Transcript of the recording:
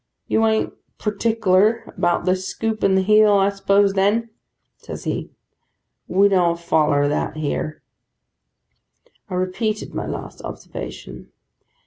'You an't partickler, about this scoop in the heel, I suppose then?' says he: 'we don't foller that, here.' I repeated my last observation.